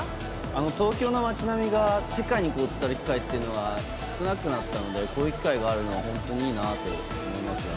東京の街並みが世界に伝わる機会というのは少なくなったのでこういう機会があるのは本当にいいなと思います。